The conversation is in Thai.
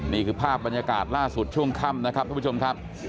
นี่คือภาพบรรยากาศล่าสุดช่วงค่ำนะครับทุกผู้ชมครับ